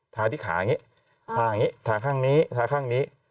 ทาที่ขาอย่างนี้ทาอย่างนี้ทาข้างนี้ทาข้างนี้